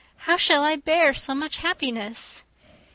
how shall I bear so much happiness?"